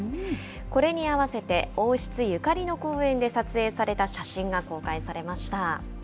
これに合わせて、王室ゆかりの公園で撮影された写真が公開されました。